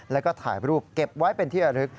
แล้วก็ถ่ายรูปเก็บไว้เป็นที่ระลึก